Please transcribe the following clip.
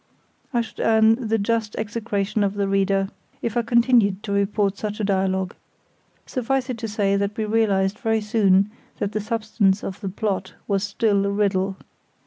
I should earn the just execration of the reader if I continued to report such a dialogue. Suffice to say that we realised very soon that the substance of the plot was still a riddle.